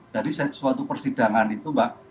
dari suatu persidangan itu mbak